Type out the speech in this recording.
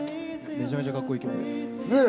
めちゃめちゃカッコいい曲です。